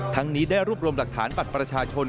นี้ได้รวบรวมหลักฐานบัตรประชาชน